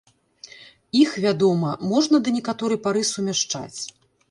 Іх, вядома, можна да некаторай пары сумяшчаць.